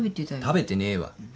食べてねえわ。